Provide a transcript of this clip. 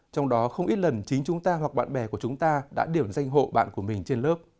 trong đó không ít lần chính chúng ta hoặc bạn bè của chúng ta đã điểm danh hộ bạn của mình trên lớp